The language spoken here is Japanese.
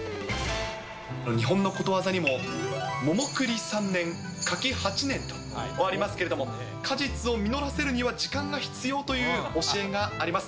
日本のことわざにも、桃栗三年柿八年とありますけれども、果実を実らせるには時間が必要という教えがあります。